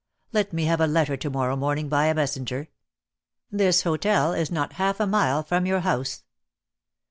Let me have a letter to morrow morning by a messenger. This hotel is not half a mile from your house.